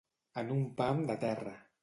En un pam de terra.